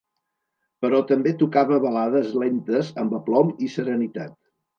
Però també tocava balades lentes amb aplom i serenitat.